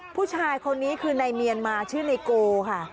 ผู้ชายคนนี้คือในเมียนมาชื่อไนโกค่ะ